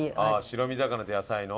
白身魚と野菜の？